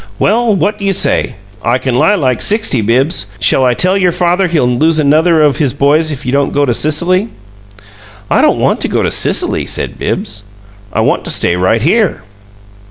Well, what do you say? I can lie like sixty, Bibbs! Shall I tell your father he'll lose another of his boys if you don't go to Sicily?" "I don't want to go to Sicily," said Bibbs. "I want to stay right here."